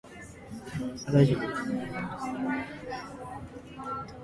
The station ultimately signed on from a tower in Fountain Hills.